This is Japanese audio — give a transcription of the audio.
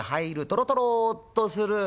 とろとろっとする。